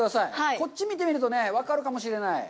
こっちを見てみると分かるかもしれない。